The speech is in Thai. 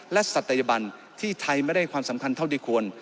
และศัตยบันที่ไทยไม่ได้ความสำคัญเท่าที่ควร